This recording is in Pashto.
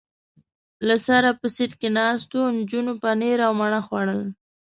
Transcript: له سره په سېټ کې ناست و، نجونو پنیر او مڼه خوړل.